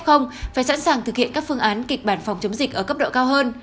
phải sẵn sàng thực hiện các phương án kịch bản phòng chống dịch ở cấp độ cao hơn